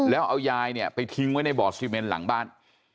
แล้วเอายายเนี่ยไปทิ้งไว้ในบ่อซีเมนหลังบ้าน